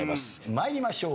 参りましょう。